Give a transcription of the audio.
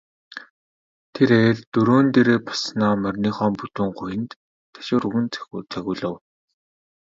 Тэрээр дөрөөн дээрээ боссоноо мориныхоо бүдүүн гуянд ташуур өгөн цогиулав.